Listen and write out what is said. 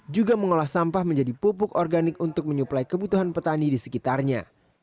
juga mengolah sampah menjadi pupuk organik untuk menyuplai kebutuhan petani di sekitarnya